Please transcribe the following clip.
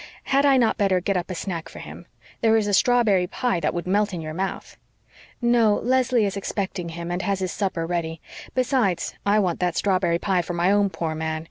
"Had I not better get up a snack for him? There is a strawberry pie that would melt in your mouth." "No, Leslie is expecting him and has his supper ready. Besides, I want that strawberry pie for my own poor man.